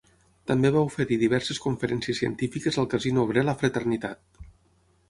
També va oferir diverses conferències científiques al casino obrer La Fraternitat.